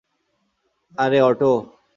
আরে, অটো।